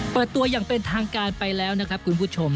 เปิดตัวอย่างเป็นทางการไปแล้วนะครับคุณผู้ชม